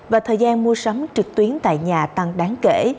và thời gian mua sắm trực tuyến tại nhà tăng đáng kể